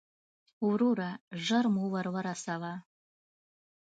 وروره، ژر مو ور ورسوه.